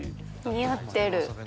似合ってる。